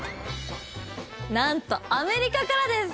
何とアメリカからです。